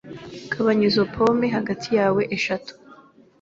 Gabanya izo pome hagati yawe eshatu.